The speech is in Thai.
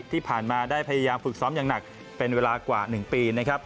ที่ผ่านมาได้พยายามฝึกซ้อมอย่างหนักเป็นเวลากว่า๑ปีนะครับ